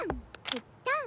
ペッタン！